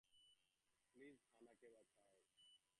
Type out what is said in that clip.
Please হা-না কে বাঁচাও।